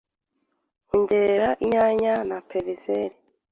Ongeramo inyanya na persil